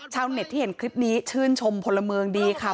ชาวเน็ตที่เห็นคลิปนี้ชื่นชมพลเมืองดีค่ะ